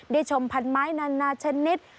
ชมพันไม้นานาชนิด